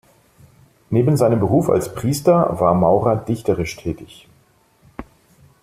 Neben seinem Beruf als Priester war Maurer dichterisch tätig.